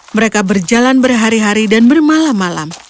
mereka berjalan berhari hari dan bermalam malam